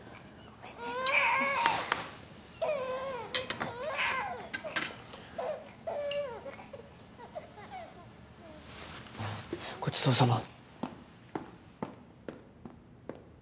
ごちそうさま。